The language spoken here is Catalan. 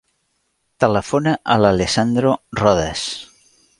Telefona a l'Alessandro Rodes.